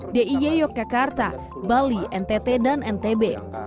diyo kekarta bali ntt dan ntb